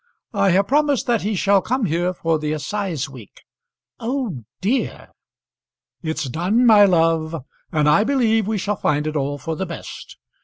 I have promised that he shall come here for the assize week." "Oh, dear!" "It's done, my love; and I believe we shall find it all for the best.